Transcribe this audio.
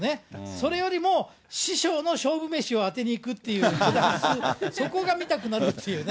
それよりも、師匠の勝負メシを当てにいくっていう、そこを外すっていう、そこが見たくなるっていうね。